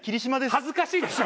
恥ずかしいでしょ。